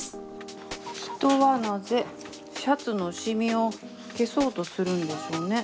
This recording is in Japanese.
人はなぜシャツのシミを消そうとするんでしょうね。